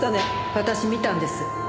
私見たんです。